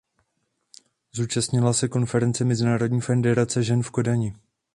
Zúčastnila se konference Mezinárodní federace žen v Kodani.